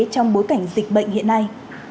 trong bối cảnh dịch bệnh hiện nay